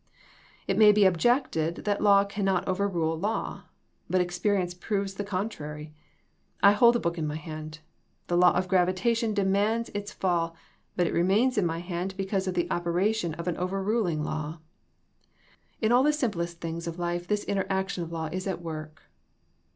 It may be objected that law cannot overrule law; but experience proves the contrary. I hold a book in my hand. The law of gravitation de mands its fall but it remains in my hand because of the operation of an overruling law. In all the simplest things of life this inter action of law is at work.